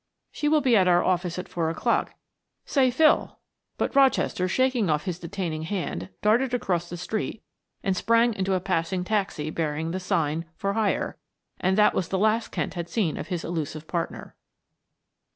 "She will be at our office at four o'clock. Say, Phil" but Rochester, shaking off his detaining hand, darted across the street and sprang into a passing taxi bearing the sign, "For Hire," and that was the last Kent had seen of his elusive partner.